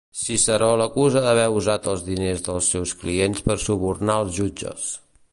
Ciceró l'acusa d'haver usat els diners dels seus clients per subornar als jutges.